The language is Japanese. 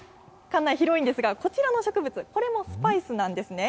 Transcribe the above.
館内広いんですが、こちらの植物、これもスパイスなんですね。